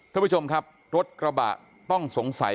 ท่านผู้ชมครับรถกระบะต้องสงสัย